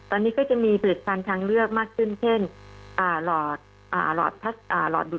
ตอนนี้ก็จะมีผลิตภัณฑ์ทางเลือกมากขึ้นเช่นหลอดดูดน้ำที่เป็นทำมาจากสดาด